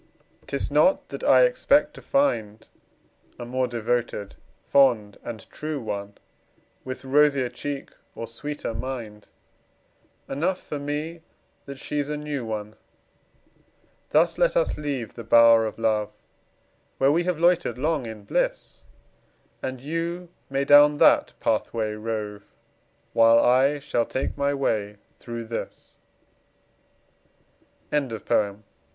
'Tis not that I expect to find A more devoted, fond and true one, With rosier cheek or sweeter mind Enough for me that she's a new one. Thus let us leave the bower of love, Where we have loitered long in bliss; And you may down that pathway rove, While I shall take my way through this. ANACREONTIC.